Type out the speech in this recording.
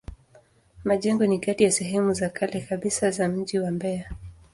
Majengo ni kati ya sehemu za kale kabisa za mji wa Mbeya.